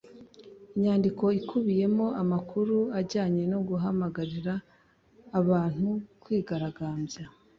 inyandiko ikubiyemo amakuru ajyanye no guhamagarira abntu kwigaragambya